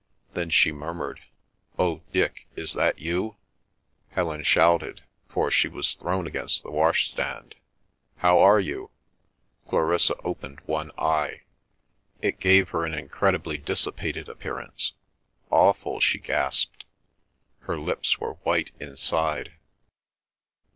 Then she murmured, "Oh, Dick, is that you?" Helen shouted—for she was thrown against the washstand—"How are you?" Clarissa opened one eye. It gave her an incredibly dissipated appearance. "Awful!" she gasped. Her lips were white inside.